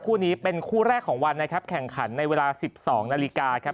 คู่นี้เป็นคู่แรกของวันนะครับแข่งขันในเวลา๑๒นาฬิกาครับ